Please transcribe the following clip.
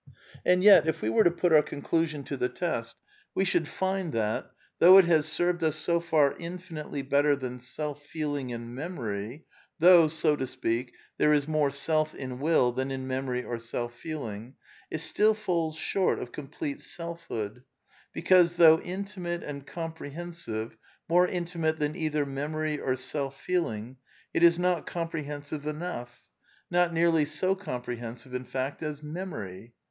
And yet, if we were to put our conclusion to the test, we should find that, though it has served us so far infinitely better than self feeling and memory, though, so to speak, there is more self in will than in memory or self feeling, it still falls short of complete selfhood; because, though in timate and comprehensive — more intimate than either memory or self feeling — it is not comprehensive enough ; not nearly so comprehensive, in fact, as memory.